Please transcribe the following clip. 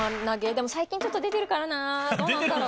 でも最近ちょっと出てるからなどうなんだろう。